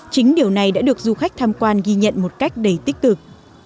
chính điều này đã được du khách tham quan ghi nhận một cách đầy tích cực